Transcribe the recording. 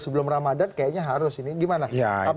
sebelum ramadhan kayaknya harus ini gimana